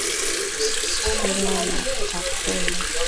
Shina ta kulé